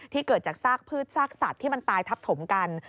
เกิดจากซากพืชซากสัตว์ที่มันตายทับถมกัน